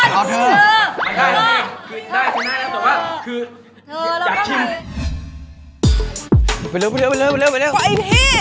เขากำลับมาก่อนเธอเขามาก่อน